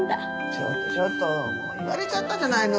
ちょっとちょっと言われちゃったじゃないの。